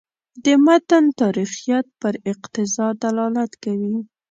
د متن تاریخیت پر اقتضا دلالت کوي.